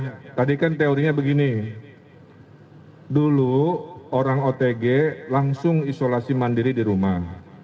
ya tadi kan teorinya begini dulu orang otg langsung isolasi mandiri di rumah